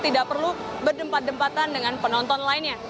tidak perlu berdempat dempatan dengan penonton lainnya